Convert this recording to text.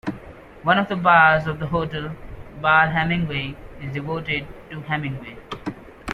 One of the bars of the hotel, "Bar Hemingway", is devoted to Hemingway.